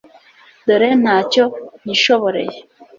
dore nta cyo nkishoboreye